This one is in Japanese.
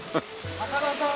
高田さん！